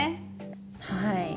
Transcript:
はい。